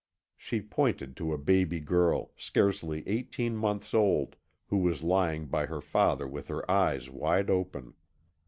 She pointed to a baby girl, scarcely eighteen months old, who was lying by her father with her eyes wide open.